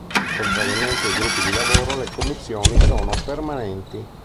Contrariamente ai gruppi di lavoro le commissioni sono permanenti.